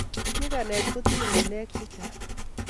nyikanet kotinye ngalek che Chang